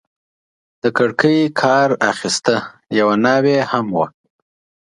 د کړکۍ کار اخیسته، یوه ناوې هم وه.